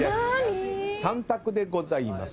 ３択でございます。